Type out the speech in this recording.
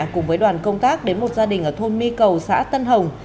cùng với đoàn công tác đến một gia đình ở thôn my cầu xã tân hồng